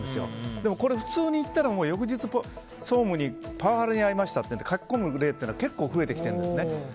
でも、これを普通に言ったらもう翌日、総務にパワハラに遭いましたって書き込む例って増えてきてるんですね。